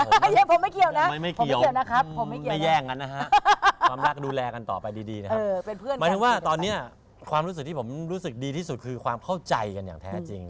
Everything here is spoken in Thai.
ไม่แย่งผมไม่เกี่ยวนะไม่เกี่ยวนะครับไม่แย่งกันนะฮะความรักดูแลกันต่อไปดีนะครับหมายถึงว่าตอนนี้ความรู้สึกที่ผมรู้สึกดีที่สุดคือความเข้าใจกันอย่างแท้จริง